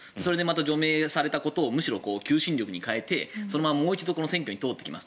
除名されたことをむしろ求心力に変えてもう一度選挙に通ってきますと。